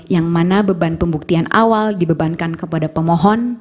yang mana beban pembuktian awal dibebankan kepada pemohon